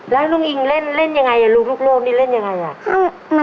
แล้วลูกอิงเล่นเล่นยังไงลูกลูกโลกนี้เล่นยังไง